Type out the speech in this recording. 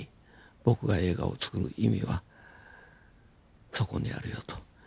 僕が映画をつくる意味はそこにあるよと。